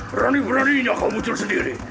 berani beraninya kau muncul sendiri